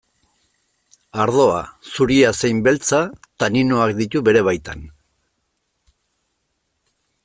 Ardoa, zuria zein beltza, taninoak ditu bere baitan.